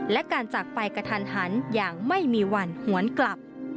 และการจากไปกระทันหันอย่างไม่มีวันหวนกลับ